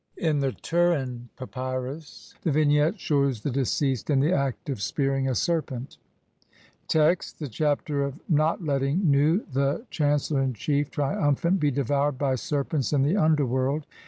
I. Bl. 48) ; in the Turin Papyrus (Lepsius, op. cit., Bl. 17) the vignette shews the deceased in the act of spearing a serpent. Text : (1) The Chapter of not [letting] Nu, the chan CELLOR IN CHIEF, TRIUMPHANT, BE DEVOURED BY SERPENTS IN THE UNDERWORLD.